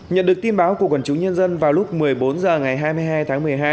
nhận được tin báo của quần chúng nhân dân vào lúc một mươi bốn h ngày hai mươi hai tháng một mươi hai